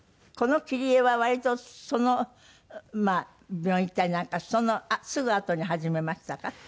この切り絵は割とそのまあ病院行ったりそのすぐあとに始めましたか？